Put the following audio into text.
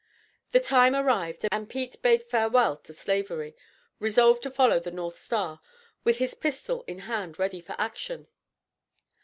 The time arrived and Pete bade farewell to Slavery, resolved to follow the North Star, with his pistol in hand ready for action.